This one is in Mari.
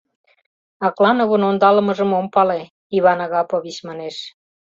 — Аклановын ондалымыжым ом пале, — Иван Агапович манеш.